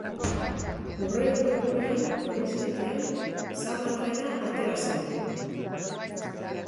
Hurrengo egunean, egunsentian, zama-trena atera zen.